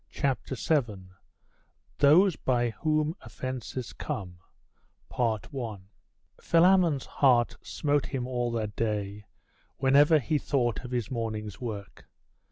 CHAPTER VII: THOSE BY WHOM OFFENCES COME Philammon's heart smote him all that day, whenever he thought of his morning's work.